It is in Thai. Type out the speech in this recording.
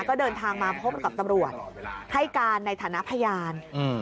ก็เดินทางมาพบกับตำรวจให้การในฐานะพยานอืม